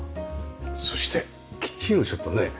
そしてキッチンをちょっとね。